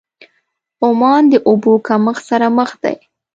عمان د اوبو کمښت سره مخ دی.